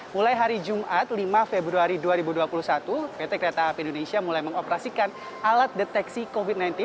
mulai hari jumat lima februari dua ribu dua puluh satu pt kereta api indonesia mulai mengoperasikan alat deteksi covid sembilan belas